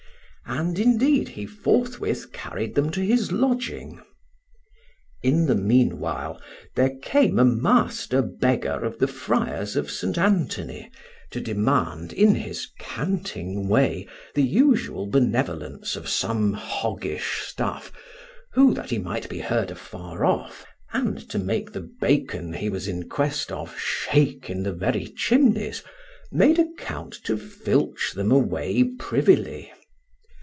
And indeed he forthwith carried them to his lodging. In the meanwhile there came a master beggar of the friars of St. Anthony to demand in his canting way the usual benevolence of some hoggish stuff, who, that he might be heard afar off, and to make the bacon he was in quest of shake in the very chimneys, made account to filch them away privily.